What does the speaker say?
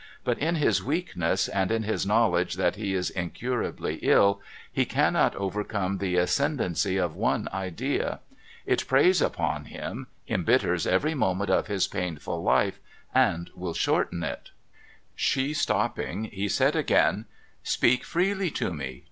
But in his weakness, and in his knowledge that he is incurably ill, he cannot overcome the ascendency of one idea. It preys upon him, eml^itters every moment of his painful life, and will shorten it,' 444 MUGBY JUNCTION She stopping, he said again :' vSpeak freely to mc.